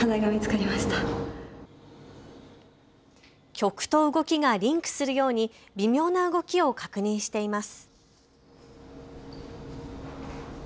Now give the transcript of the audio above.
曲と動きがリンクするように微妙な動きを確認しています。